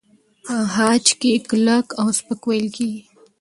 په خج کې کلک او سپک وېل کېږي.